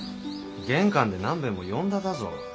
玄関で何べんも呼んだだぞ。